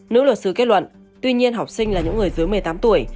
nữ luật sư kết luận tuy nhiên học sinh là những người dưới một mươi tám tuổi